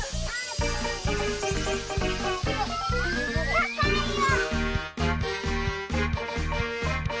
たかいよ！